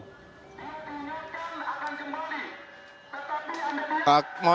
tentunya akan kembali